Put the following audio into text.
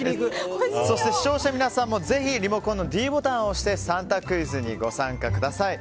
そして、視聴者の皆さんもリモコンのｄボタンを押して３択クイズにご参加ください。